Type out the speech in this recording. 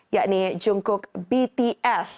yakni jungkook bts